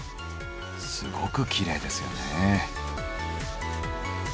すごくきれいですよね。